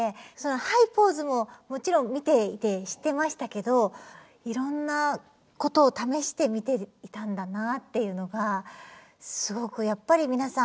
「ハイ・ポーズ」ももちろん見ていて知ってましたけどいろんなことを試してみていたんだなあっていうのがすごくやっぱり皆さん